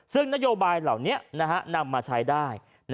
ซึ่งนโยบายเหล่านี้นำมาใช้ได้